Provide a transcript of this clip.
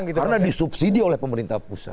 karena disubsidi oleh pemerintah pusat